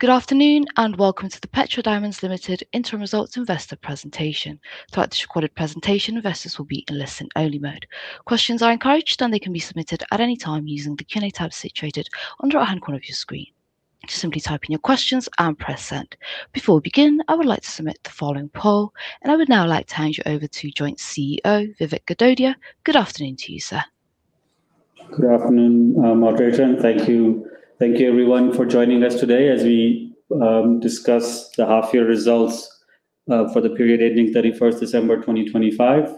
Good afternoon, and welcome to the Petra Diamonds Limited Interim Results Investor Presentation. Throughout this recorded presentation, investors will be in listen-only mode. Questions are encouraged, and they can be submitted at any time using the Q&A tab situated on the right-hand corner of your screen. Just simply type in your questions and press Send. Before we begin, I would like to submit the following poll, and I would now like to hand you over to Joint CEO, Vivek Gadodia. Good afternoon to you, sir. Good afternoon, moderator, and thank you. Thank you everyone for joining us today as we discuss the half-year results for the period ending December 31st 2025.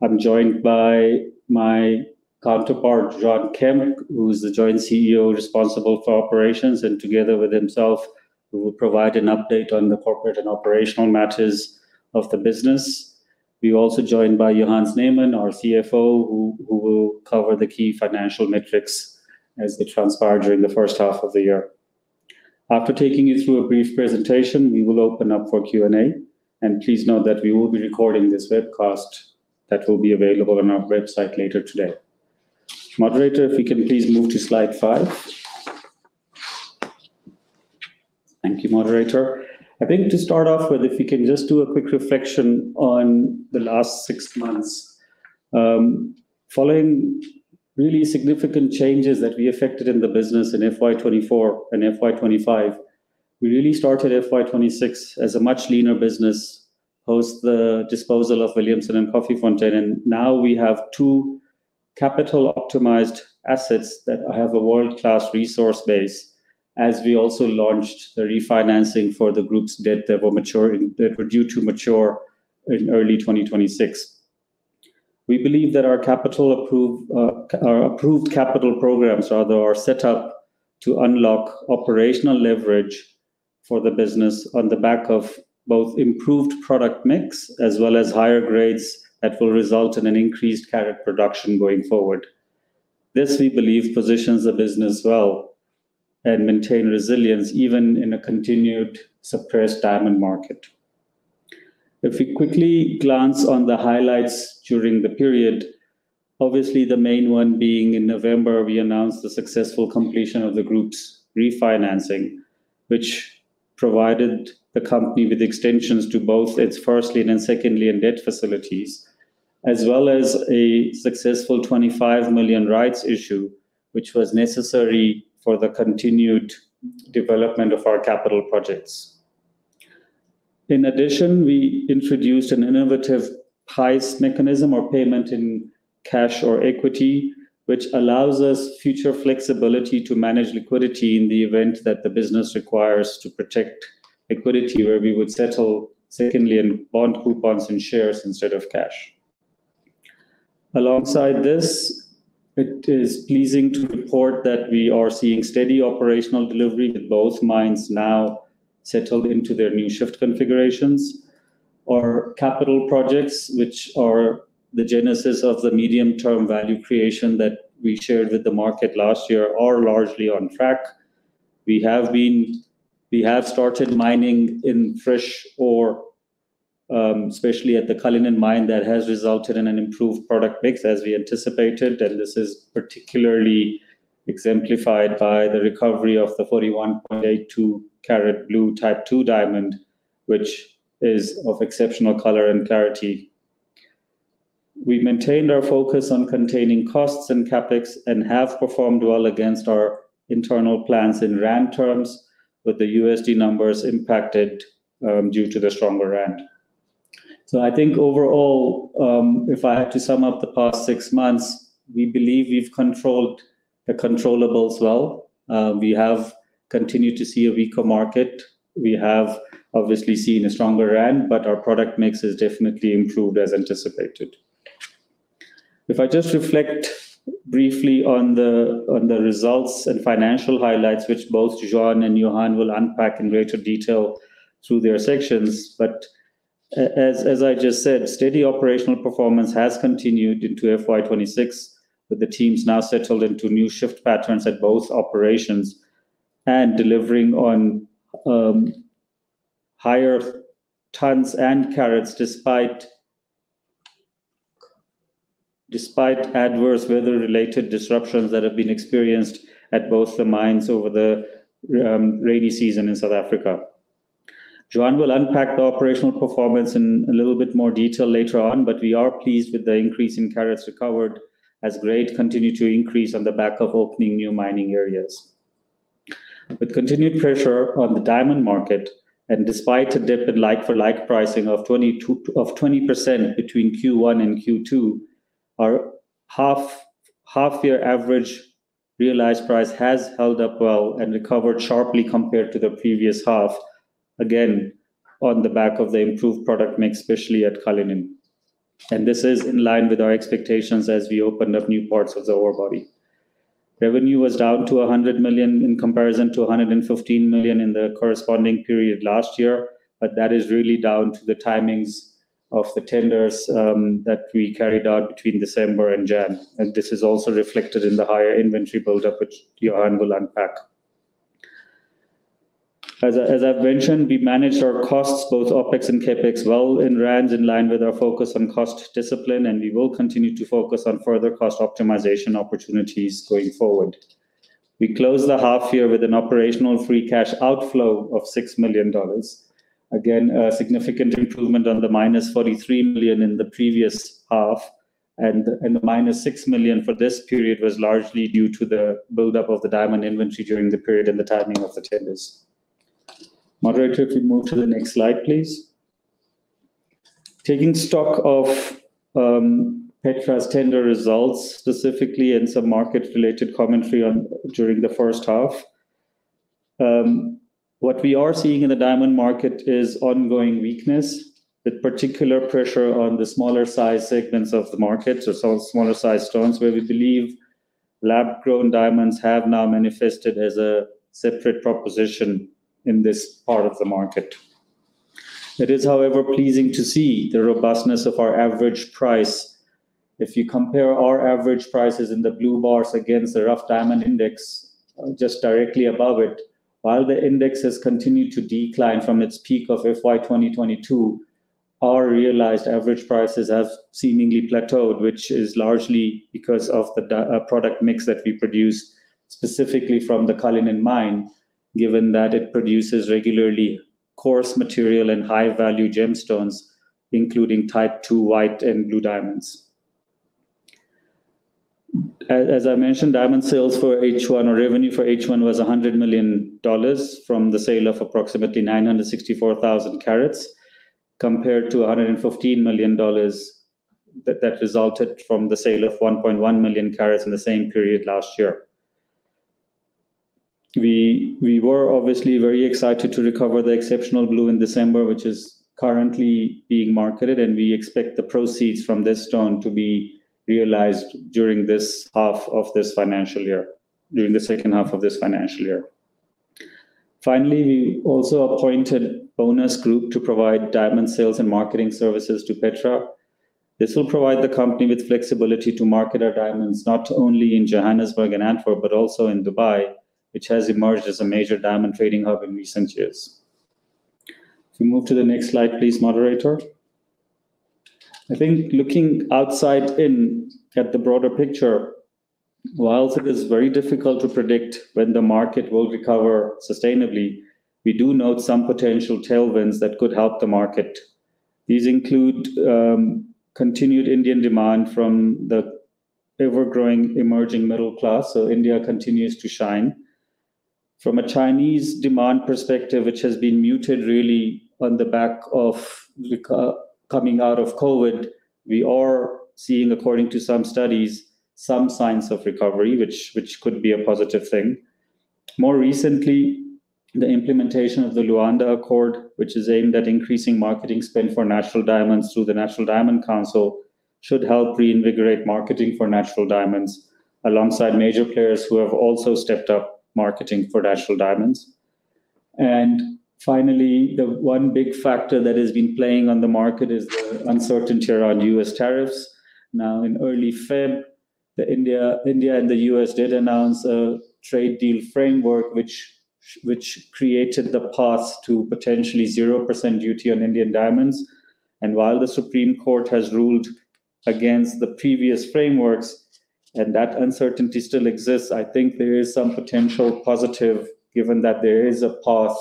I'm joined by my counterpart, Juan Kemp, who is the Joint CEO responsible for operations, and together with himself, we will provide an update on the corporate and operational matters of the business. We're also joined by Johan Snyman, our CFO, who will cover the key financial metrics as they transpired during the first half of the year. After taking you through a brief presentation, we will open up for Q&A. Please note that we will be recording this webcast that will be available on our website later today. Moderator, if you can please move to slide five. Thank you, moderator. I think to start off with, if we can just do a quick reflection on the last six months. Following really significant changes that we effected in the business in FY 2024 and FY 2025, we really started FY 2026 as a much leaner business, post the disposal of Williamson and Koffiefontein, and now we have two capital-optimized assets that have a world-class resource base, as we also launched the refinancing for the group's debt that were due to mature in early 2026. We believe that our capital-approved, our approved capital programs, rather, are set up to unlock operational leverage for the business on the back of both improved product mix as well as higher grades that will result in an increased carat production going forward. This, we believe, positions the business well and maintain resilience even in a continued suppressed diamond market. If we quickly glance on the highlights during the period, obviously the main one being in November, we announced the successful completion of the group's refinancing, which provided the company with extensions to both its first lien and second lien debt facilities, as well as a successful $25 million rights issue, which was necessary for the continued development of our capital projects. In addition, we introduced an innovative PICE mechanism or payment in cash or equity, which allows us future flexibility to manage liquidity in the event that the business requires to protect liquidity, where we would settle secondly in bond coupons and shares instead of cash. Alongside this, it is pleasing to report that we are seeing steady operational delivery with both mines now settled into their new shift configurations. Our capital projects, which are the genesis of the medium-term value creation that we shared with the market last year, are largely on track. We have started mining in fresh ore, especially at the Cullinan mine that has resulted in an improved product mix as we anticipated. This is particularly exemplified by the recovery of the 41.82 carat blue Type II diamond, which is of exceptional color and clarity. We maintained our focus on containing costs and CapEx and have performed well against our internal plans in rand terms, with the USD numbers impacted due to the stronger rand. I think overall, if I had to sum up the past six months, we believe we've controlled the controllables well. We have continued to see a weaker market. We have obviously seen a stronger rand, but our product mix has definitely improved as anticipated. If I just reflect briefly on the, on the results and financial highlights, which both Juan and Johan will unpack in greater detail through their sections. As I just said, steady operational performance has continued into FY 2026, with the teams now settled into new shift patterns at both operations and delivering on higher tons and carats despite adverse weather-related disruptions that have been experienced at both the mines over the rainy season in South Africa. Juan will unpack the operational performance in a little bit more detail later on. We are pleased with the increase in carats recovered as grade continued to increase on the back of opening new mining areas. With continued pressure on the diamond market and despite a dip in like-for-like pricing of 20% between Q1 and Q2, our half-year average realized price has held up well and recovered sharply compared to the previous half, again, on the back of the improved product mix, especially at Cullinan. This is in line with our expectations as we open up new parts of the ore body. Revenue was down to $100 million in comparison to $115 million in the corresponding period last year. That is really down to the timings of the tenders that we carried out between December and Jan. This is also reflected in the higher inventory build-up, which Johan will unpack. As I've mentioned, we managed our costs, both OpEx and CapEx, well in rands in line with our focus on cost discipline, and we will continue to focus on further cost optimization opportunities going forward. We closed the half year with an operational free cash outflow of $6 million. Again, a significant improvement on the -$43 million in the previous half and the -$6 million for this period was largely due to the build-up of the diamond inventory during the period and the timing of the tenders. Moderator, if you move to the next slide, please. Taking stock of Petra's tender results specifically and some market-related commentary during the first half. What we are seeing in the diamond market is ongoing weakness, with particular pressure on the smaller size segments of the market. Smaller size stones where we believe lab-grown diamonds have now manifested as a separate proposition in this part of the market. It is, however, pleasing to see the robustness of our average price. If you compare our average prices in the blue bars against the rough diamond index just directly above it, while the index has continued to decline from its peak of FY 2022, our realized average prices have seemingly plateaued, which is largely because of the product mix that we produce specifically from the Cullinan mine, given that it produces regularly coarse material and high-value gemstones, including Type II white and blue diamonds. As I mentioned, diamond sales for H1 or revenue for H1 was $100 million from the sale of approximately 964,000 carats, compared to $115 million that resulted from the sale of 1.100,000 carats in the same period last year. We were obviously very excited to recover the exceptional blue in December, which is currently being marketed, and we expect the proceeds from this stone to be realized during the second half of this financial year. Finally, we also appointed Bonas Group to provide diamond sales and marketing services to Petra. This will provide the company with flexibility to market our diamonds not only in Johannesburg and Antwerp but also in Dubai, which has emerged as a major diamond trading hub in recent years. If you move to the next slide, please, moderator. I think looking outside in at the broader picture, whilst it is very difficult to predict when the market will recover sustainably, we do note some potential tailwinds that could help the market. These include, continued Indian demand from the ever-growing emerging middle class. India continues to shine. From a Chinese demand perspective, which has been muted really on the back of coming out of COVID, we are seeing, according to some studies, some signs of recovery which could be a positive thing. More recently, the implementation of the Luanda Accord, which is aimed at increasing marketing spend for natural diamonds through the Natural Diamond Council, should help reinvigorate marketing for natural diamonds alongside major players who have also stepped up marketing for natural diamonds. Finally, the one big factor that has been playing on the market is the uncertainty around U.S. tariffs. Now, in early February, India and the U.S. did announce a trade deal framework which created the path to potentially 0% duty on Indian diamonds. While the Supreme Court has ruled against the previous frameworks and that uncertainty still exists, I think there is some potential positive given that there is a path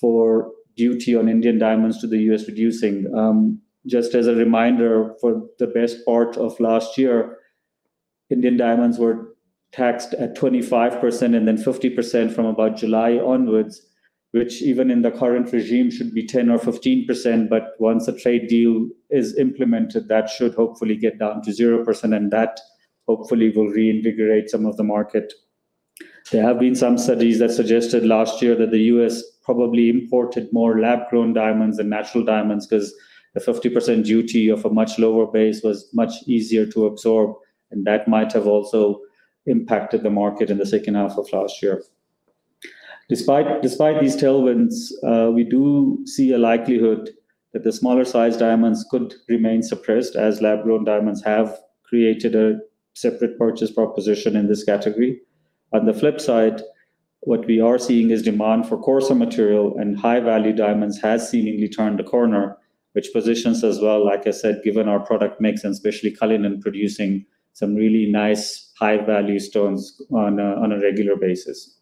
for duty on Indian diamonds to the U.S. reducing. Just as a reminder, for the best part of last year, Indian diamonds were taxed at 25% and then 50% from about July onwards, which even in the current regime should be 10% or 15%, once a trade deal is implemented that should hopefully get down to 0%, that hopefully will reinvigorate some of the market. There have been some studies that suggested last year that the U.S. probably imported more lab-grown diamonds than natural diamonds 'cause the 50% duty of a much lower base was much easier to absorb, and that might have also impacted the market in the second half of last year. Despite these tailwinds, we do see a likelihood that the smaller-sized diamonds could remain suppressed as lab-grown diamonds have created a separate purchase proposition in this category. On the flip side, what we are seeing is demand for coarser material and high-value diamonds has seemingly turned a corner which positions us well, like I said, given our product mix and especially Cullinan producing some really nice high-value stones on a regular basis.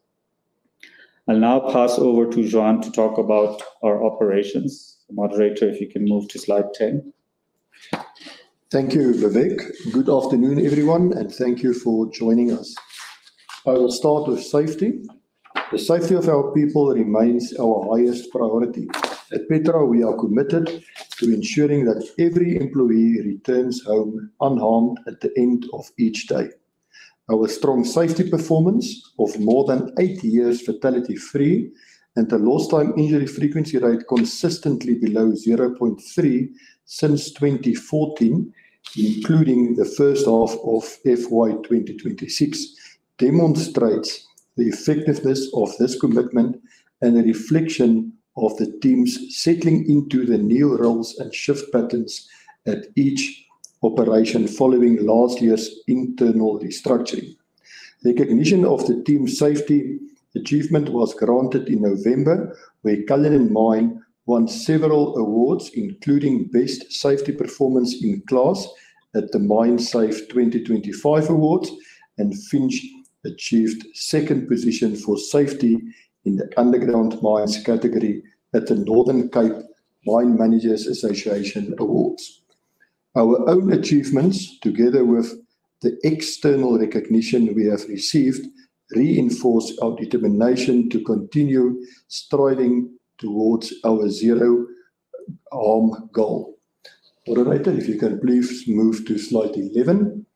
I'll now pass over to Juan to talk about our operations. Moderator, if you can move to slide 10. Thank you, Vivek. Good afternoon, everyone, and thank you for joining us. I will start with safety. The safety of our people remains our highest priority. At Petra, we are committed to ensuring that every employee returns home unharmed at the end of each day. Our strong safety performance of more than eight years fatality-free and a lost time injury frequency rate consistently below 0.3 since 2014, including the first half of FY 2026, demonstrates the effectiveness of this commitment and a reflection of the teams settling into the new roles and shift patterns at each operation following last year's internal restructuring. Recognition of the team safety achievement was granted in November, where Cullinan Mine won several awards, including Best Safety Performance in Class at the MiNE SAFE 2025 Awards, and Finsch achieved second position for safety in the underground mines category at the Northern Cape Mine Managers Association Awards. Our own achievements, together with the external recognition we have received, reinforce our determination to continue striding towards our zero harm goal. Moderator, if you can please move to slide 11.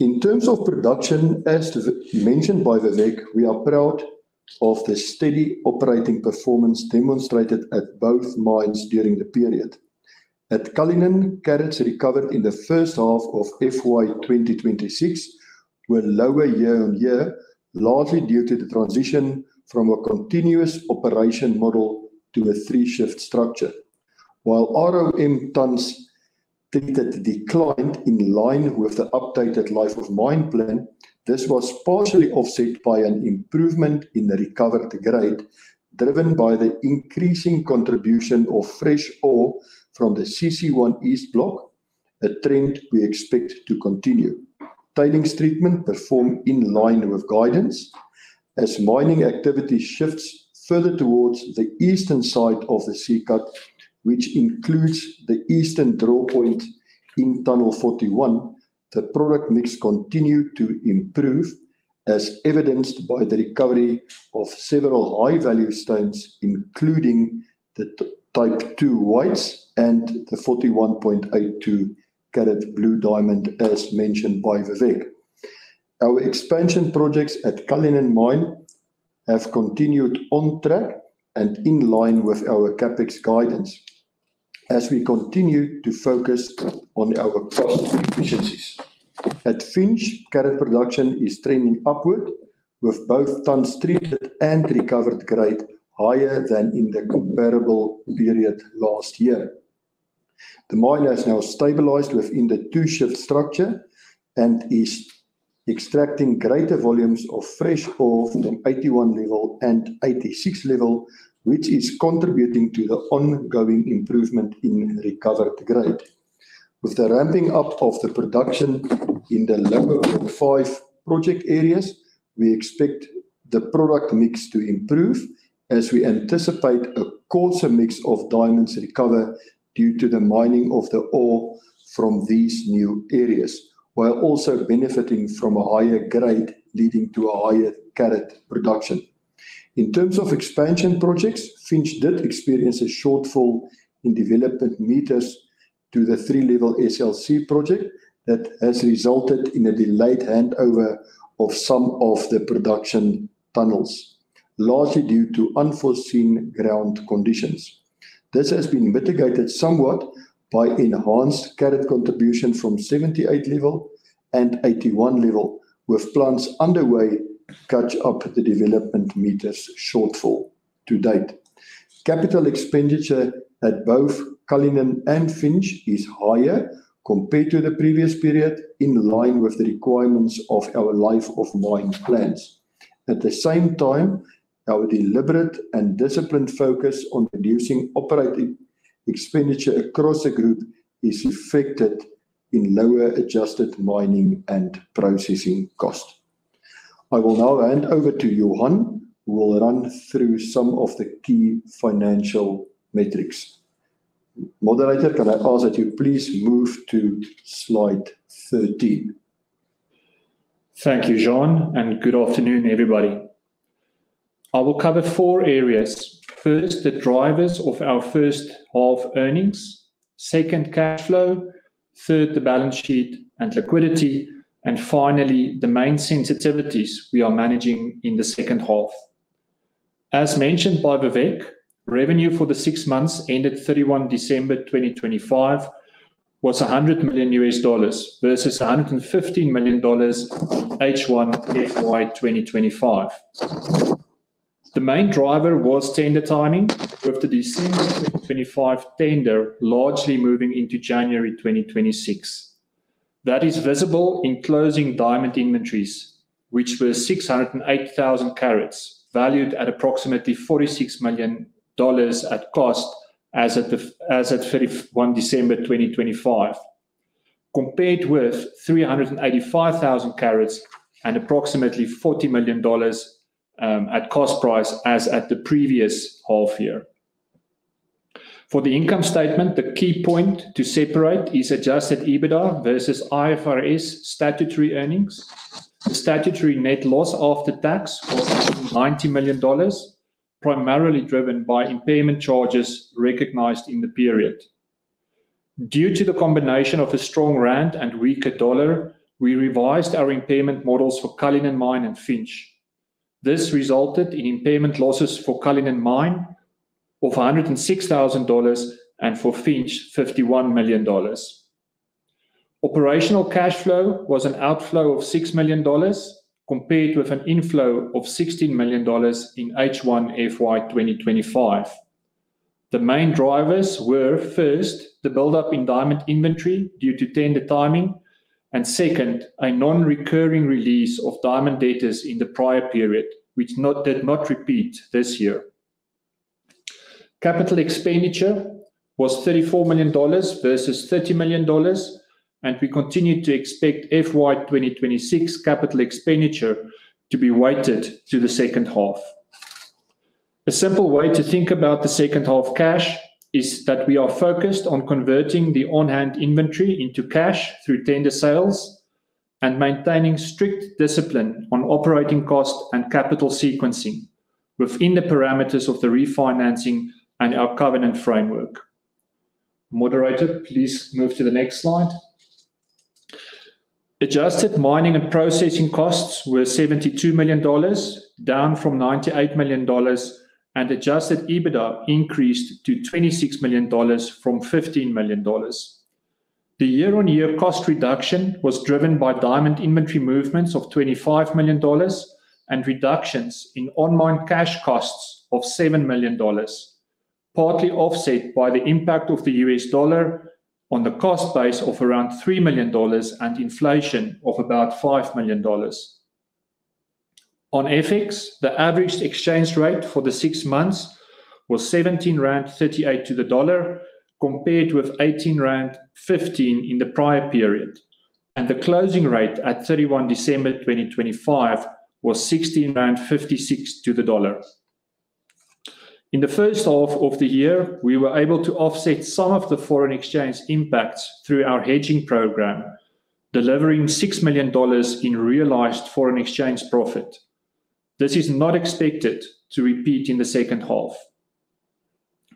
In terms of production, as mentioned by Vivek, we are proud of the steady operating performance demonstrated at both mines during the period. At Cullinan, carats recovered in the first half of FY 2026 were lower year-on-year, largely due to the transition from a continuous operation model to a three-shift structure. While ROM tonnes treated declined in line with the updated life of mine plan, this was partially offset by an improvement in the recovered grade, driven by the increasing contribution of fresh ore from the CC1-East block, a trend we expect to continue. Tailings treatment performed in line with guidance. As mining activity shifts further towards the eastern side of the C-Cut, which includes the eastern draw point in tunnel 41, the product mix continued to improve, as evidenced by the recovery of several high-value stones, including the Type II whites and the 41.82 carat blue diamond, as mentioned by Vivek. Our expansion projects at Cullinan mine have continued on track and in line with our CapEx guidance as we continue to focus on our cost efficiencies. At Finsch, carat production is trending upward, with both tonnes treated and recovered grade higher than in the comparable period last year. The mine has now stabilized within the two shift structure and is extracting greater volumes of fresh ore from the 81 level and 86 level, which is contributing to the ongoing improvement in recovered grade. With the ramping up of the production in the level five project areas, we expect the product mix to improve as we anticipate a coarser mix of diamonds recovered due to the mining of the ore from these new areas, while also benefiting from a higher grade, leading to a higher carat production. In terms of expansion projects, Finsch did experience a shortfall in development meters to the 3-level SLC project that has resulted in a delayed handover of some of the production tunnels, largely due to unforeseen ground conditions. This has been mitigated somewhat by enhanced carat contribution from 78 level and 81 level, with plans underway to catch up the development meters shortfall to date. Capital expenditure at both Cullinan and Finsch is higher compared to the previous period, in line with the requirements of our life of mine plans. At the same time, our deliberate and disciplined focus on reducing operating expenditure across the group is reflected in lower adjusted mining and processing cost. I will now hand over to Johann, who will run through some of the key financial metrics. Moderator, can I ask that you please move to slide 13. Thank you, Juan. Good afternoon, everybody. I will cover four areas. First, the drivers of our first half earnings. Second, cash flow. Third, the balance sheet and liquidity. Finally, the main sensitivities we are managing in the second half. As mentioned by Vivek, revenue for the six months ended December 31 2025, was $100 million versus $115 million H1 FY 2025. The main driver was tender timing, with the December 2025 tender largely moving into January 2026. That is visible in closing diamond inventories, which were 608,000 carats, valued at approximately $46 million at cost as at December 31 2025, compared with 385,000 carats and approximately $40 million at cost price as at the previous half year. For the income statement, the key point to separate is adjusted EBITDA versus IFRS statutory earnings. The statutory net loss after tax was $90 million, primarily driven by impairment charges recognized in the period. Due to the combination of a strong rand and weaker dollar, we revised our impairment models for Cullinan Mine and Finsch. This resulted in impairment losses for Cullinan Mine of $106,000, and for Finsch, $51 million. Operational cash flow was an outflow of $6 million compared with an inflow of $16 million in H1 FY 2025. The main drivers were, first, the buildup in diamond inventory due to tender timing, and second, a non-recurring release of diamond debtors in the prior period, which did not repeat this year. Capital expenditure was $34 million versus $30 million, and we continue to expect FY 2026 capital expenditure to be weighted to the second half. A simple way to think about the second half cash is that we are focused on converting the on-hand inventory into cash through tender sales and maintaining strict discipline on operating cost and capital sequencing within the parameters of the refinancing and our covenant framework. Moderator, please move to the next slide. Adjusted mining and processing costs were $72 million, down from $98 million, and adjusted EBITDA increased to $26 million from $15 million. The year-on-year cost reduction was driven by diamond inventory movements of $25 million and reductions in on-mine cash costs of $7 million, partly offset by the impact of the U.S. dollar on the cost base of around $3 million and inflation of about $5 million. On FX, the average exchange rate for the six months was 17.38 rand to the dollar, compared with 18.15 rand in the prior period, and the closing rate at December 31 2025 was 16.56 to the dollar. In the first half of the year, we were able to offset some of the foreign exchange impacts through our hedging program, delivering $6 million in realized foreign exchange profit. This is not expected to repeat in the second half.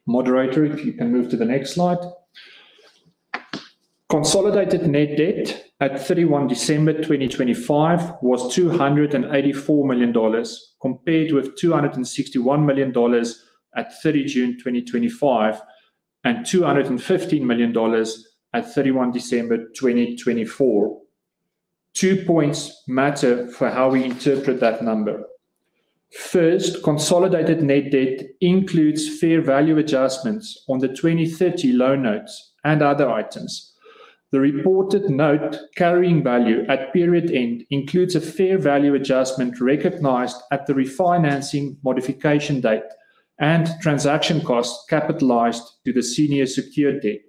Moderator, if you can move to the next slide. Consolidated net debt at December 31 2025 was $284 million, compared with $261 million at June 30 2025, and $215 million at December 31 2024. Two points matter for how we interpret that number. First, consolidated net debt includes fair value adjustments on the 2030 loan notes and other items. The reported note carrying value at period end includes a fair value adjustment recognized at the refinancing modification date and transaction costs capitalized to the senior secured debt.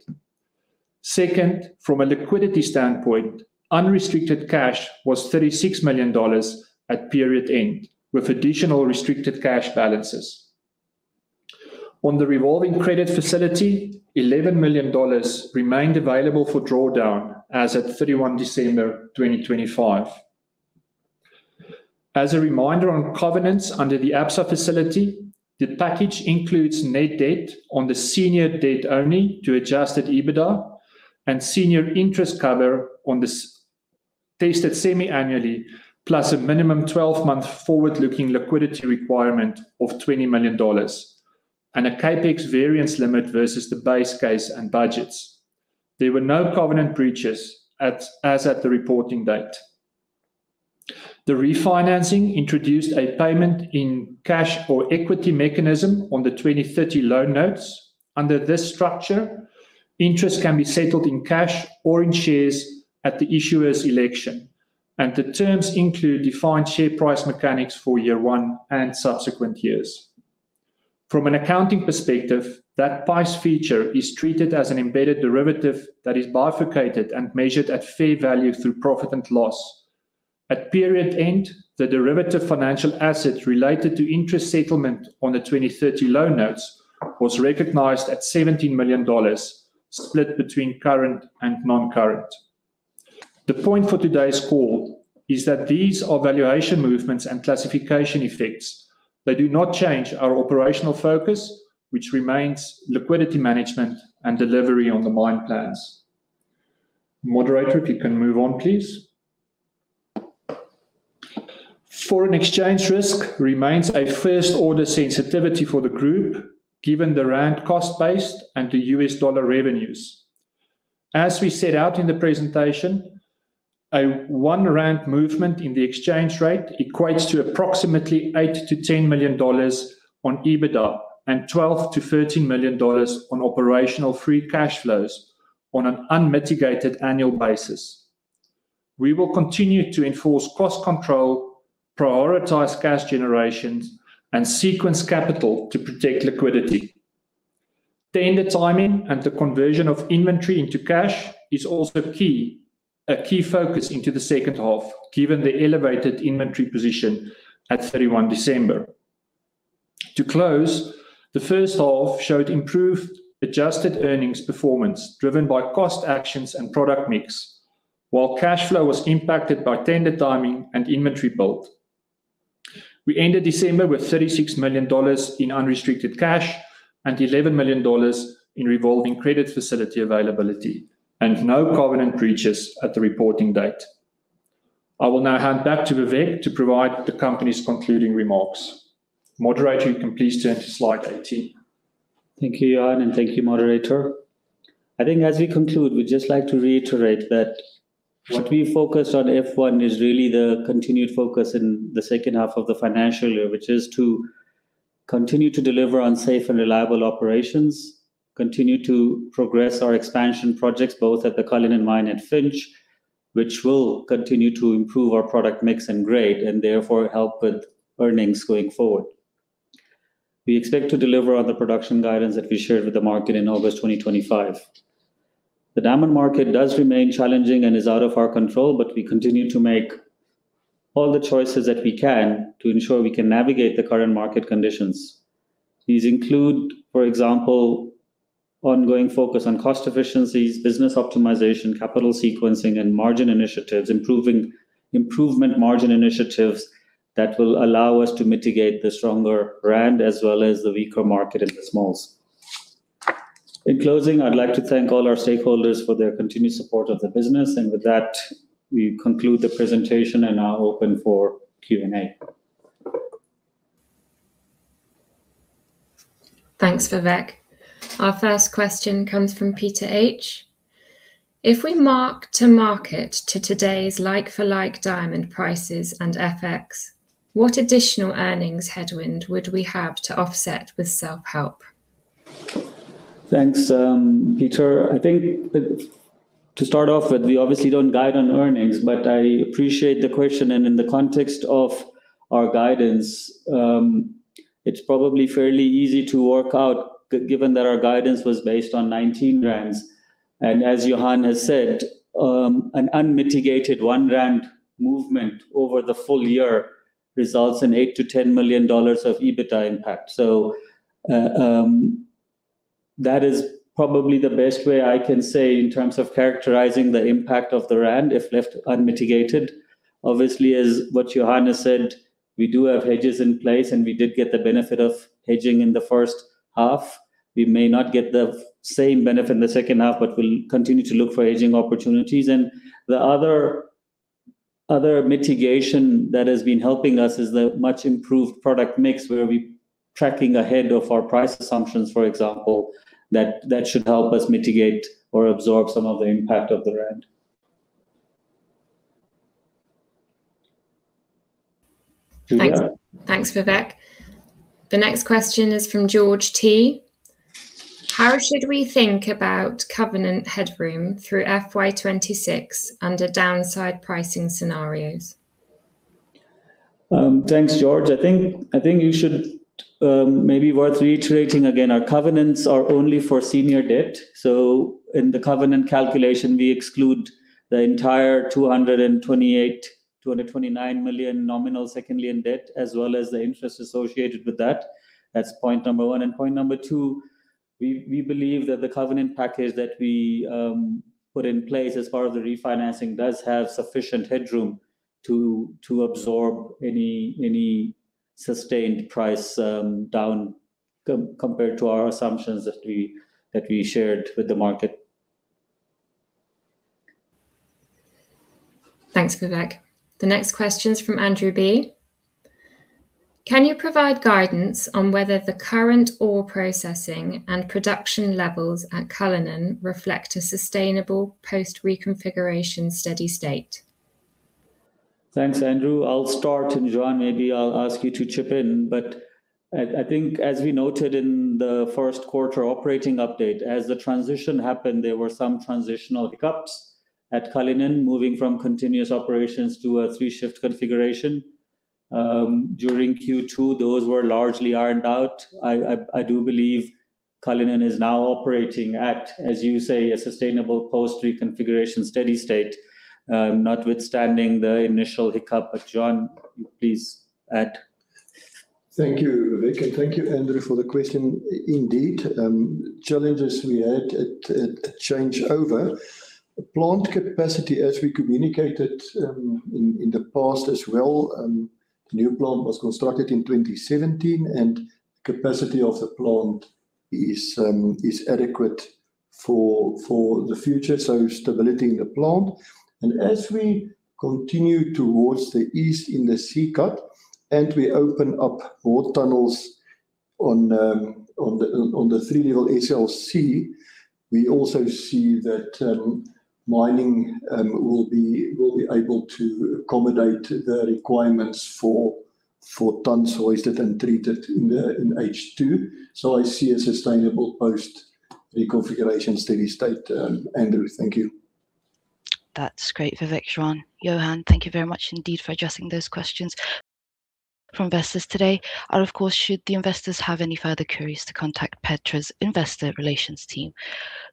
Second, from a liquidity standpoint, unrestricted cash was $36 million at period end, with additional restricted cash balances. On the revolving credit facility, $11 million remained available for drawdown as at December 31 2025. As a reminder on covenants under the Absa facility, the package includes net debt on the senior debt only to adjusted EBITDA and senior interest cover on this tested semi-annually, plus a minimum 12-month forward-looking liquidity requirement of $20 million and a CapEx variance limit versus the base case and budgets. There were no covenant breaches as at the reporting date. The refinancing introduced a payment in cash or equity mechanism on the 2030 loan notes. Under this structure, interest can be settled in cash or in shares at the issuer's election, and the terms include defined share price mechanics for year one and subsequent years. From an accounting perspective, that price feature is treated as an embedded derivative that is bifurcated and measured at fair value through profit and loss. At period end, the derivative financial asset related to interest settlement on the 2030 loan notes was recognized at $17 million, split between current and non-current. The point for today's call is that these are valuation movements and classification effects. They do not change our operational focus, which remains liquidity management and delivery on the mine plans. Moderator, if you can move on, please. Foreign exchange risk remains a first-order sensitivity for the group, given the rand cost base and the U.S. dollar revenues. As we set out in the presentation, a one rand movement in the exchange rate equates to approximately $8 million-$10 million on EBITDA and $12 million-$13 million on operational free cash flow on an unmitigated annual basis. We will continue to enforce cost control, prioritize cash generations, and sequence capital to protect liquidity. Tender timing and the conversion of inventory into cash is also key, a key focus into the second half, given the elevated inventory position at December 31. To close, the first half showed improved adjusted earnings performance driven by cost actions and product mix while cash flow was impacted by tender timing and inventory build. We ended December with $36 million in unrestricted cash and $11 million in revolving credit facility availability and no covenant breaches at the reporting date. I will now hand back to Vivek to provide the company's concluding remarks. Moderator, you can please turn to slide 18. Thank you, Johan, and thank you, moderator. I think as we conclude, we'd just like to reiterate that what we focus on F one is really the continued focus in the second half of the financial year, which is to continue to deliver on safe and reliable operations, continue to progress our expansion projects, both at the Cullinan mine and Finsch, which will continue to improve our product mix and grade and therefore help with earnings going forward. We expect to deliver on the production guidance that we shared with the market in August 2025. The diamond market does remain challenging and is out of our control, but we continue to make all the choices that we can to ensure we can navigate the current market conditions. These include, for example, ongoing focus on cost efficiencies, business optimization, capital sequencing, and margin initiatives, improvement margin initiatives that will allow us to mitigate the stronger rand as well as the weaker market in the smalls. In closing, I'd like to thank all our stakeholders for their continued support of the business. With that, we conclude the presentation and now open for Q&A. Thanks, Vivek. Our first question comes from Peter H. If we mark to market to today's like-for-like diamond prices and FX, what additional earnings headwind would we have to offset with self-help? Thanks, Peter. I think that to start off with, we obviously don't guide on earnings, but I appreciate the question. In the context of our guidance, it's probably fairly easy to work out given that our guidance was based on 19 rand. As Johan has said, an unmitigated 1 rand movement over the full year results in $8 million-$10 million of EBITDA impact. That is probably the best way I can say in terms of characterizing the impact of the rand if left unmitigated. Obviously, as what Johan has said, we do have hedges in place, and we did get the benefit of hedging in the first half. We may not get the same benefit in the second half, but we'll continue to look for hedging opportunities. The other mitigation that has been helping us is the much-improved product mix, where we're tracking ahead of our price assumptions, for example. That should help us mitigate or absorb some of the impact of the rand. Thanks, Vivek. The next question is from George T. How should we think about covenant headroom through FY 2026 under downside pricing scenarios? Thanks, George. I think you should, maybe worth reiterating again, our covenants are only for senior debt. In the covenant calculation, we exclude the entire $228 million-$229 million nominal second lien debt, as well as the interest associated with that. That's point number one. Point number two, we believe that the covenant package that we put in place as part of the refinancing does have sufficient headroom to absorb any sustained price down compared to our assumptions that we shared with the market. Thanks, Vivek. The next question is from Andrew B. Can you provide guidance on whether the current ore processing and production levels at Cullinan reflect a sustainable post-reconfiguration steady state? Thanks, Andrew. I'll start. Johan, maybe I'll ask you to chip in. I think as we noted in the first quarter operating update, as the transition happened, there were some transitional hiccups at Cullinan, moving from continuous operations to a three shift configuration. During Q2, those were largely ironed out. I do believe Cullinan is now operating at, as you say, a sustainable post-reconfiguration steady state, notwithstanding the initial hiccup. Juan, please add. Thank you, Vivek, and thank you, Andrew, for the question. Indeed, challenges we had at changeover. Plant capacity, as we communicated, in the past as well, the new plant was constructed in 2017, and capacity of the plant is adequate for the future, so stability in the plant. As we continue towards the east in the C-Cut and we open up ore tunnels on the 3-level SLC, we also see that, mining, will be able to accommodate the requirements for tonnes hoisted and treated in H2. I see a sustainable post-reconfiguration steady state, Andrew. Thank you. That's great, Vivek, Juan. Johan, thank you very much indeed for addressing those questions from investors today. Of course, should the investors have any further queries to contact Petra's investor relations team.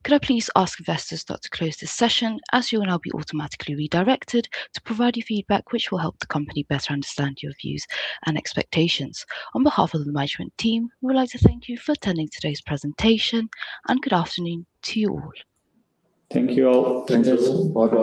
Could I please ask investors now to close this session, as you will now be automatically redirected to provide your feedback which will help the company better understand your views and expectations. On behalf of the management team, we would like to thank you for attending today's presentation, and good afternoon to you all. Thank you all. Thank you. Bye bye.